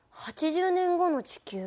８０年後の地球？